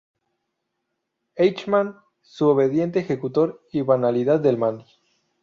Eichmann, su obediente ejecutor y banalidad del mal".